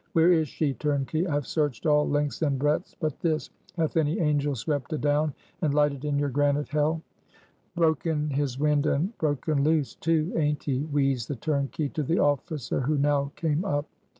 Where is she, turnkey? I've searched all lengths and breadths but this. Hath any angel swept adown and lighted in your granite hell?" "Broken his wind, and broken loose, too, aint he?" wheezed the turnkey to the officer who now came up.